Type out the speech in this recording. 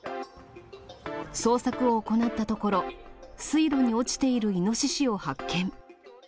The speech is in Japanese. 捜索を行ったところ、水路に落ちているイノシシを発見。